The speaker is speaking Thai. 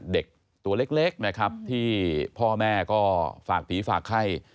เด็กตัวเล็กนะครับที่พ่อแม่ก็ฝากผีฝากไข้